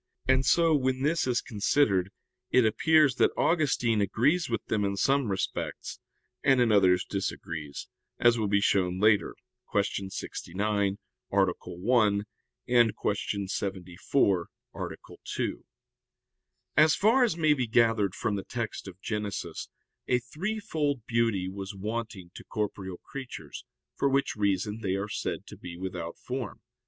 And so, when this is considered, it appears that Augustine agrees with them in some respects, and in others disagrees, as will be shown later (Q. 69, A. 1; Q. 74, A. 2). As far as may be gathered from the text of Genesis a threefold beauty was wanting to corporeal creatures, for which reason they are said to be without form.